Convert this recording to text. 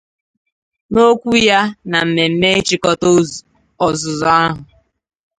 N'okwu ya na mmemme ịchịkọta ọzụzụ ahụ